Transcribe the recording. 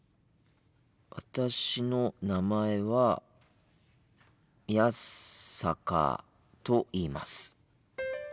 私の名前は宮坂と言います。